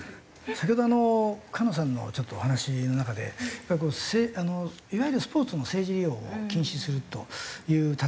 先ほど菅野さんのちょっとお話の中でやっぱりこういわゆるスポーツの政治利用を禁止するという建前ってありますよね。